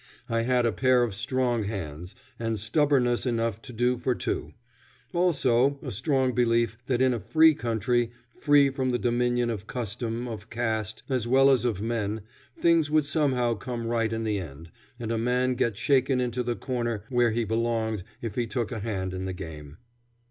I had a pair of strong hands, and stubbornness enough to do for two; also a strong belief that in a free country, free from the dominion of custom, of caste, as well as of men, things would somehow come right in the end, and a man get shaken into the corner where he belonged if he took a hand in the game.